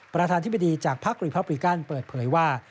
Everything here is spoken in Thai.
ประธานธิบดีจากพักรีพับริกันเปิดเผยว่า